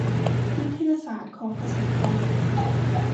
วิทยาศาสตร์ของภาษาไทย